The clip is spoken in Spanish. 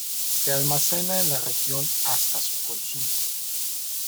Se almacena en la región hasta su consumo.